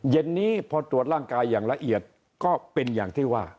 เย็นนี้พอตรวจร่างกายอย่างละเอียดก็เป็นอย่างที่ว่า